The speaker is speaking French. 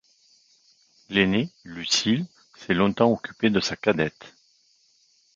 L'aînée, Lucile, s'et longtemps occupée de sa cadette.